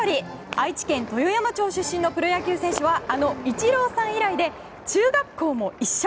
愛知県豊山町出身のプロ野球選手はあのイチローさん以来で中学校も一緒。